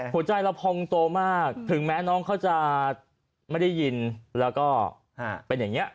หัวใจเราพองโตมากถึงแม้น้องเขาจะไม่ได้ยินแล้วก็เป็นอย่างนี้